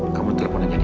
kamu telepon aja dia